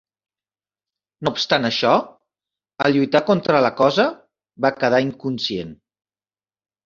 No obstant això, al lluitar contra la Cosa, va quedar inconscient.